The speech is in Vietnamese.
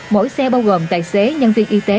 mỗi xe bao gồm tài xế nhân viên y tế